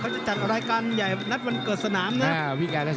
จะจัดรายการใหญ่นัดวันเกิดสนามนะ